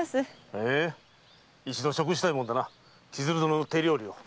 へえ一度食したいものだな千鶴殿の手料理を。